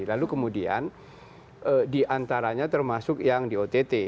lalu kemudian diantaranya termasuk yang di ott